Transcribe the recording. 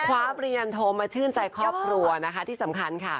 คว้าปริญญาโทมาชื่นใจครอบครัวนะคะที่สำคัญค่ะ